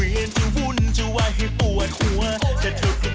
อีกทีก็ไม่มีความรู้สึกว่าข้าจะเป็นใคร